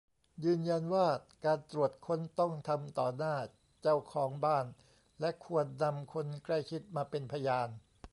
ยืนยันว่าการตรวจค้นต้องทำต่อหน้าเจ้าของบ้าน และควรนำคนใกล้ชิดมาเป็นพยาน